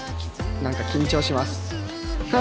なんか緊張します。